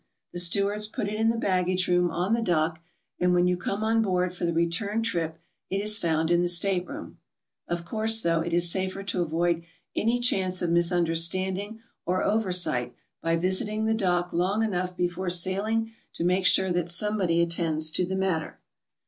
The stewards put it in the baggage room on the dock, and when you come on board for the return trip it is found in the stateroom. Of cotrrse, though, it is safer to avoid any chance of misunderstanding or oversight by visit ing the dock long enough before sailing to make sure that somebody attends tew the matter.